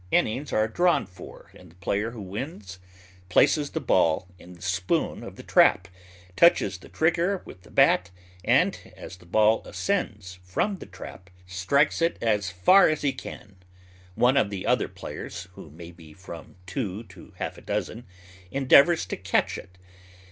Innings are drawn for, and the player who wins places the ball in the spoon of the trap, touches the trigger with the bat, and, as the ball ascends from the trap, strikes it as far as he can. One of the other players (who may be from two to half a dozen) endeavours to catch it.